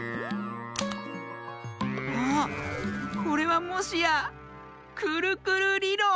あこれはもしやくるくるりろん！